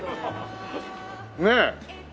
ねえ。